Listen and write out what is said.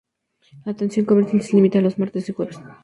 La atención comercial se limita a los martes y jueves.